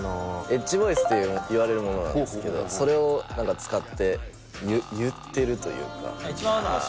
エッジボイスっていわれるものなんですけどそれを使って言ってるというか。